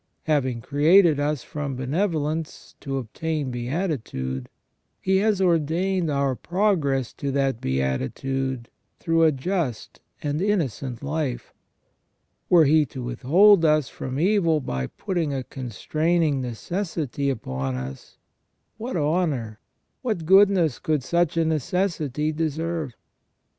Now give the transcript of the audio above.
Having created us from benevolence to obtain beatitude. He has ordained our progress to that beatitude through a just and innocent life. Were He to withhold us from evil by putting a constraining necessity upon us, what honour, what goodness could such a necessity deserve